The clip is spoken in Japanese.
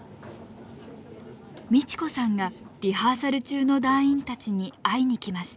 美智子さんがリハーサル中の団員たちに会いに来ました。